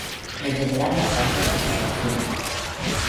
En general, la causa es desconocida.